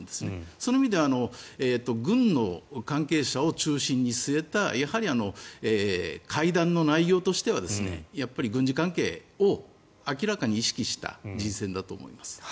そういう意味では軍の関係者を中心に据えた会談の内容としては軍事関係を明らかに意識した人選だと思います。